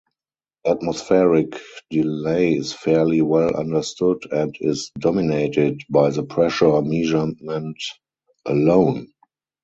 Atmospheric delay is fairly well understood, and is dominated by the pressure measurement alone.